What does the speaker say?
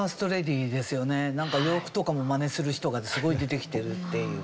なんか洋服とかもマネする人がすごい出てきてるっていう。